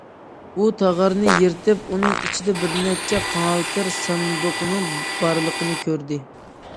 ئۇ تاغارنى يىرتىپ، ئۇنىڭ ئىچىدە بىر نەچچە قاڭالتىر ساندۇقنىڭ بارلىقىنى كۆردى.